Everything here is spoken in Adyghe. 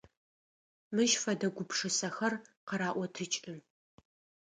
Мыщ фэдэ гупшысэхэр къыраӏотыкӏы…